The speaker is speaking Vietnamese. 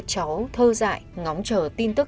cháu thơ dại ngóng chờ tin tức